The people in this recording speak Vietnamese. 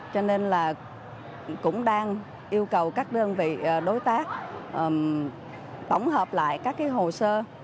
cho nên là cũng đang yêu cầu các đơn vị đối tác tổng hợp lại các hồ sơ